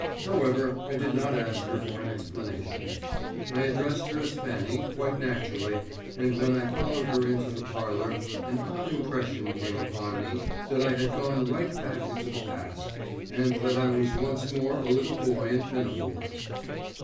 However, I did not ask her for an explanation. I addressed her as Fanny quite naturally, and when I followed her into the parlour an odd impression came upon me that I had gone right back into the past, and that I was once more a little boy in pinafores.